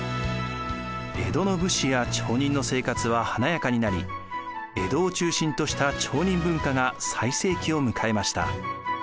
江戸の武士や町人の生活は華やかになり江戸を中心とした町人文化が最盛期を迎えました。